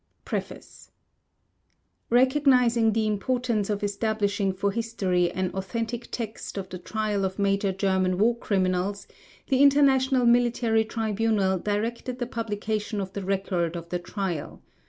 P R E F A C E Recognizing the importance of establishing for history an authentic text of the Trial of major German war criminals, the International Military Tribunal directed the publication of the Record of the Trial.